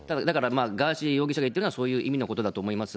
ガーシー容疑者が言ってるのはそういう意味のことだと思います。